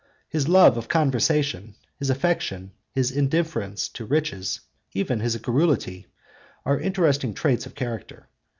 His love of conversation, his affection, his indifference to riches, even his garrulity, are interesting traits of character.